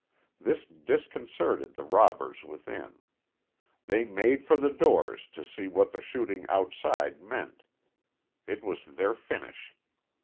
This disconcerted the robbers within. They made for the doors to see what the shooting outside meant. It was their finish.